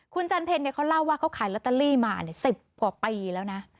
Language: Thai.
คุณจันเพลเขาเล่าว่าเขาขายลอตเตอรี่มา๑๐กว่าปีแล้วนะ